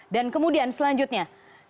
dan kemudian selanjutnya